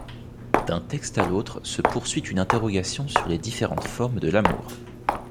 D'un texte à l'autre se poursuit une interrogation sur les différentes formes de l'amour.